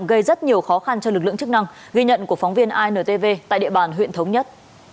gây rất nhiều khó khăn cho lực lượng chức năng ghi nhận của phóng viên intv tại địa bàn huyện thống nhất